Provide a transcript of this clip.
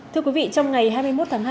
thưa quý vị trong ngày hai mươi một tháng hai